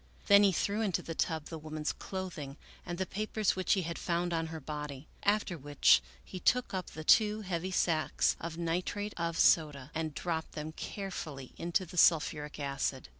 Then he threw into the tub the woman's clothing and the papers which he had found on her body, after which he took up the two heavy sacks of nitrate of soda and dropped them carefully into the sulphuric acid.